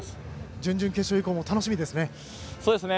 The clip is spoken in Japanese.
準々決勝以降も楽しみですね。